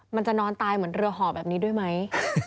มันจะนอนตายเหมือนเรือห่อแบบนี้ด้วยไหม